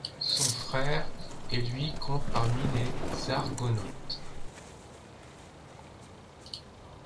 Son frère et lui comptent parmi les Argonautes.